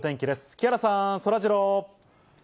木原さん、そらジロー。